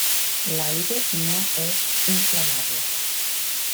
L'aire no és inflamable.